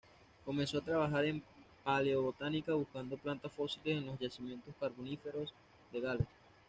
Comenzó a trabajar en Paleobotánica buscando plantas fósiles en los yacimientos carboníferos de Gales.